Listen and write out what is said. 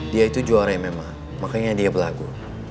dia itu juara mma makanya dia berlagu